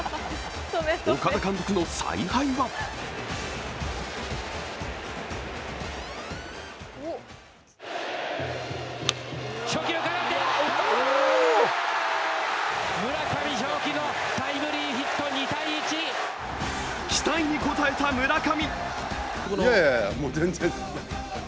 岡田監督の采配は期待に応えた村上。